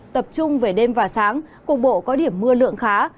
tập trung về đêm và sáng cục bộ có điểm mưa lượng khá